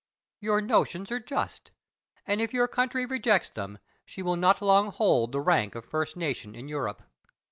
Plato. Your notions are just, and if your country rejects them she will not long hold the rank of the first nation in Europe.